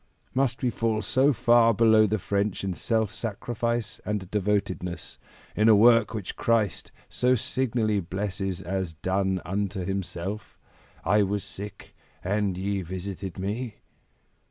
Must we fall so far below the French in self sacrifice and devotedness, in a work which Christ so signally blesses as done unto Himself? 'I was sick and ye visited me.'"